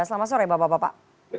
selamat sore bapak bapak